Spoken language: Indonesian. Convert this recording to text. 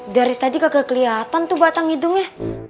dari tadi kagak kelihatan tuh batang hidungnya